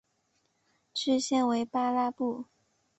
县治为巴拉布。